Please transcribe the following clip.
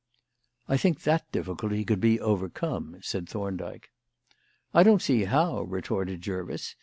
"I think that difficulty could be overcome," said Thorndyke. "I don't see how," retorted Jervis.